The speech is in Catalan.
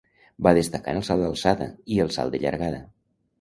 Va destacar en el salt d'alçada i el salt de llargada.